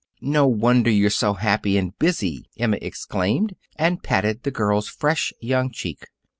"No wonder you're so happy and busy," Emma exclaimed, and patted the girl's fresh, young cheek.